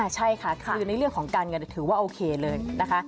ใช่ค่ะคือในเรื่องของการเงินถือว่าโอเคเลยนะคะ